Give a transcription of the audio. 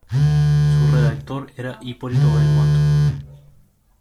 Su redactor era Hipólito Belmont.